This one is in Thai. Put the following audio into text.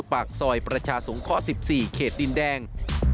ปากซอยประชาสงข๑๔เขตดินแดง